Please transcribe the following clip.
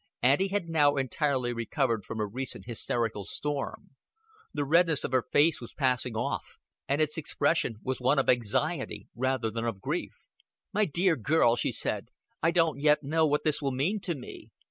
Auntie had now entirely recovered from her recent hysterical storm; the redness of her face was passing off, and its expression was one of anxiety, rather than of grief. "My dear girl," she said, "I don't yet know what this will mean to me.